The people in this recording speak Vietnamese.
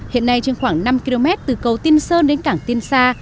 hiện nay trên khoảng năm km từ cầu tiên sơn đến cảng tiên sa